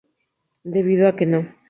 Debido a que No.